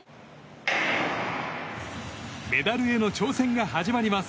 メダルへの挑戦が始まります。